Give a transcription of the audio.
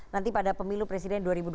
nanti pada pemilu presiden dua ribu dua puluh